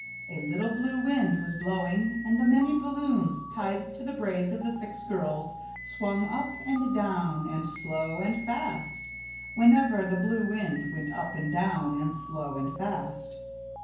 A little blue wind was blowing and the many balloons tied to the braids of the six girls swung up and down and slow and fast whenever the blue wind went up and down and slow and fast.